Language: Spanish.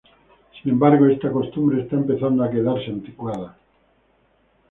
Sin embargo, esta costumbre está empezando a quedarse anticuada.